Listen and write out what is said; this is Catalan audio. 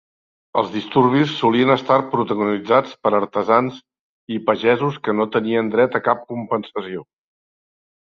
Els disturbis solien estar protagonitzats per artesans i pagesos que no tenien dret a cap compensació.